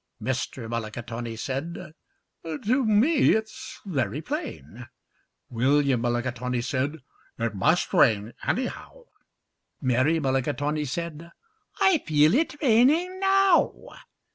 Mr. Mulligatawny said, "To me it's very plain." William Mulligatawny said, "It must rain, anyhow." Mary Mulligatawny said, "I feel it raining now."